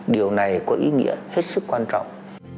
điều này có ý nghĩa hết sức quan trọng